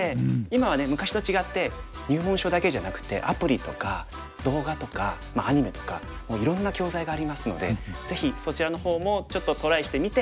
昔と違って入門書だけじゃなくてアプリとか動画とかアニメとかもういろんな教材がありますのでぜひそちらの方もちょっとトライしてみて。